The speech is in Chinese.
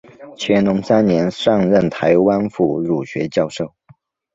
乾隆三年上任台湾府儒学教授。